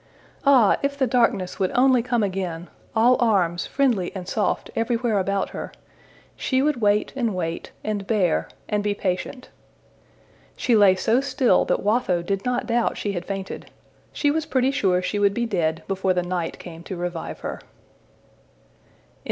Ah, if the darkness would only come again, all arms, friendly and soft everywhere about her! She would wait and wait, and bear, and be patient. She lay so still that Watho did not doubt she had fainted. She was pretty sure she would be dead before the night came to revive her. XVIII.